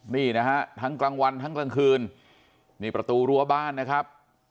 นี่นะฮะทั้งกลางวันทั้งกลางคืนนี่ประตูรั้วบ้านนะครับ